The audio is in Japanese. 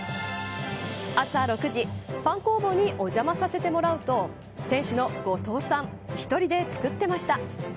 朝６時パン工房にお邪魔させてもらうと店主の後藤さん１人で作ってました。